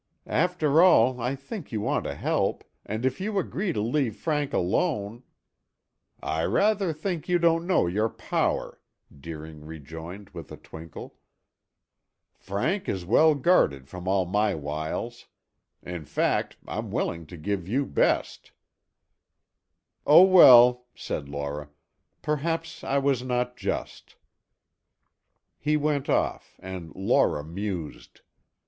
"After all, I think you want to help, and if you agree to leave Frank alone " "I rather think you don't know your power," Deering rejoined with a twinkle. "Frank is well guarded from all my wiles. In fact, I'm willing to give you best." "Oh, well," said Laura, "perhaps I was not just." He went off and Laura mused.